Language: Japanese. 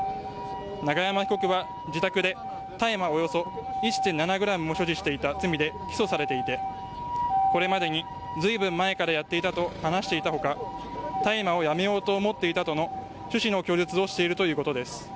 永山被告は自宅で大麻およそ１．７ｇを所持していた罪で起訴されていてこれまでにずいぶん前からやっていたと話していた他大麻をやめようと思っていたとの趣旨の供述をしているということです。